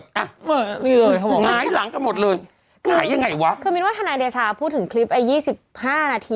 คุณหนุ่มกันแตะก็ต่อ